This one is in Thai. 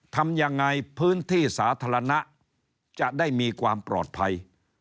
ทำยังไงพื้นที่สาธารณะจะได้มีความปลอดภัย